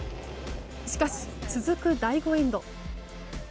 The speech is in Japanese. しかし、続く第５エンド。